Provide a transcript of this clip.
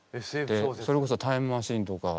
それこそタイムマシーンとか。